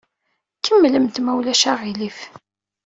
Kemmlemt, ma ulac aɣilif.